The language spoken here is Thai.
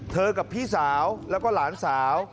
กับพี่สาวแล้วก็หลานสาว